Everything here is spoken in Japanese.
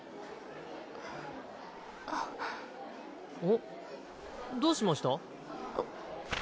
ん？どうしました？